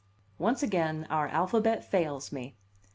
Once again our alphabet fails me.